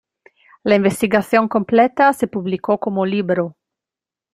La investigación completa se publicó como libro.